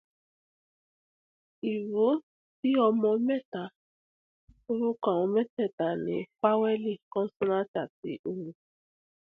He was for many years barrack master in New York.